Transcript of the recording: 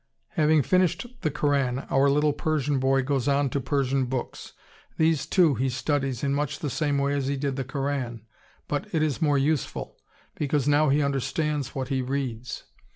Having finished the Koran, our little Persian boy goes on to Persian books. These, too, he studies in much the same way as he did the Koran, but it is more useful, because now he understands what he reads.